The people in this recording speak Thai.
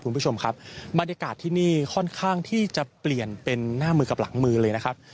คุณผู้ชมครับบรรยากาศที่นี่ค่อนข้างที่จะเปลี่ยนเป็นหน้ามือกับหลังมือเลยนะครับ